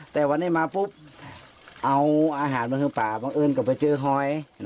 แต่วันนี้ไม่พุกเอาอาหารรสของป่าบางเหินก้อไปเจอหอย